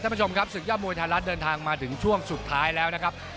ท่านผู้ชมครับศึกยอดมวยไทยรัฐเดินทางมาถึงช่วงสุดท้ายแล้วนะครับ